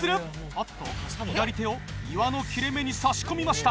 おっと左手を岩の切れ目に差し込みました。